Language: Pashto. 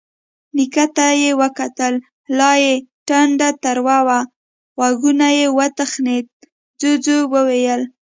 نيکه ته يې وکتل، لا يې ټنډه تروه وه. غوږ يې وتخڼېد، جُوجُو وويل: